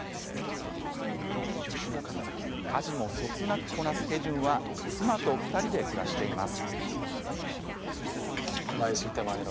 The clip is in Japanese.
家事もそつなくこなすヘジュンは妻と２人で暮らしています。